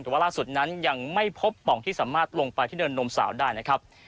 แต่ล่าสุดนั้นไม่พบปร่องที่ลงไปที่เนินนด์โน่มเสาร์ได้นะครับ